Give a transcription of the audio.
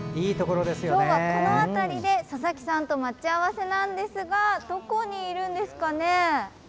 今日はこの辺りで佐々木さんと待ち合わせなんですがどこにいるんですかね。